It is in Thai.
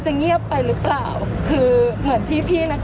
ทำงานครบ๒๐ปีได้เงินชดเฉยเลิกจ้างไม่น้อยกว่า๔๐๐วัน